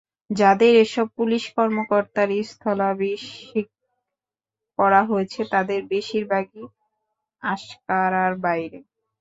যাঁদের এসব পুলিশ কর্মকর্তার স্থলাভিষিক্ত করা হয়েছে, তাঁদের বেশির ভাগই আঙ্কারার বাইরের।